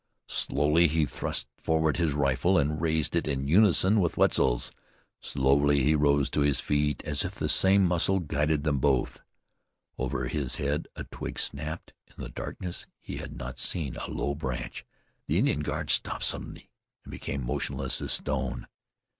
Slowly he thrust forward his rifle, and raised it in unison with Wetzel's. Slowly he rose to his feet as if the same muscles guided them both. Over his head a twig snapped. In the darkness he had not seen a low branch. The Indian guards stopped suddenly, and became motionless as stone.